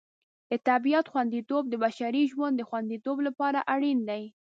د طبیعت خوندیتوب د بشري ژوند د خوندیتوب لپاره اړین دی.